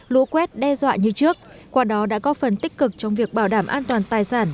lũ quét đe dọa như trước qua đó đã có phần tích cực trong việc bảo đảm an toàn tài sản